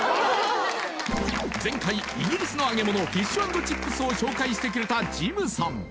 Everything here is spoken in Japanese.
前回イギリスの揚げ物フィッシュ＆チップスを紹介してくれたジムさん